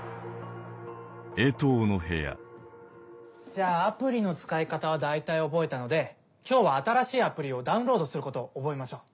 じゃあアプリの使い方は大体覚えたので今日は新しいアプリをダウンロードすることを覚えましょう。